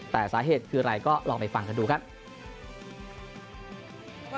แต่สาเหตุคืออะไรก็ลองไปฟังกันดูครับ